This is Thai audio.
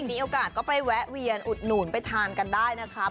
มีโอกาสก็ไปแวะเวียนอุดหนุนไปทานกันได้นะคะ